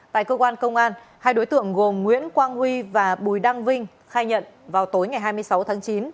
tại cơ quan công an hai đối tượng gồm nguyễn quang huy và bùi đăng vinh khai nhận vào tối ngày hai mươi sáu tháng chín